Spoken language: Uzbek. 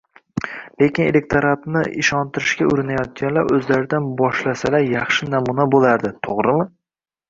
Lekin elektoratni ishontirishga urinayotganlar o'zlaridan boshlasalar yaxshi namuna bo'lardi, to'g'rimi?